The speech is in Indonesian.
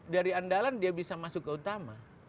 dari andalan dia bisa masuk ke utama